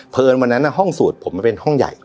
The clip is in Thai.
วันนั้นห้องสูตรผมมันเป็นห้องใหญ่